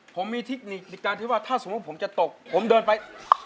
ผมมีเทคนิคในการที่ว่าถ้าสมมุติผมจะตกผมเดินไป